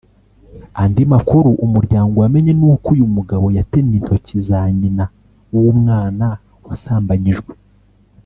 Andi makuru Umuryango wamenye ni uko uyu mugabo yatemye intoki za nyina w’ umwana wasambanyijwe